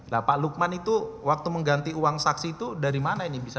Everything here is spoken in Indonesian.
nah pak lukman itu waktu mengganti uang saksi itu dari mana ini bisa